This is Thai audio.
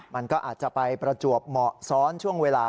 มันก็อาจจะไปประจวบเหมาะซ้อนช่วงเวลา